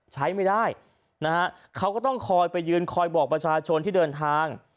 ใช้ไม่ได้นะฮะเขาก็ต้องคอยไปยืนคอยบอกประชาชนที่เดินทาง